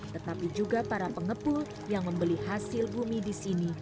tetapi juga para pengepul yang membeli hasil bumi di sini